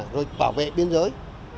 rồi bảo vệ biên giới